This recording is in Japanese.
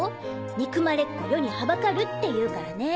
「憎まれっ子世にはばかる」って言うからね。